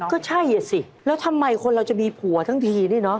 ก็ใช่อ่ะสิแล้วทำไมคนเราจะมีผัวทั้งทีนี่เนาะ